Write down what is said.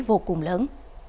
vô cùng lớn